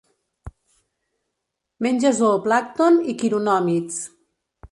Menja zooplàncton i quironòmids.